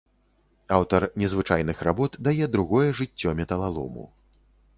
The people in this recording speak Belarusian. Аўтар незвычайных работ дае другое жыццё металалому.